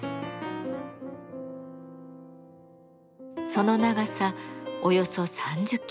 その長さおよそ３０キロメートル。